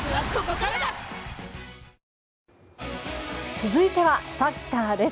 続いてはサッカーです。